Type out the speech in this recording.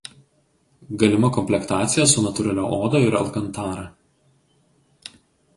Galima komplektacija su natūralia oda ir alkantara.